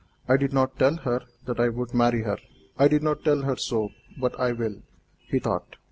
"I did not tell her that I would marry her; I did not tell her so, but I will," he thought.